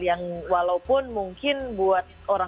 yang walaupun mungkin buat orang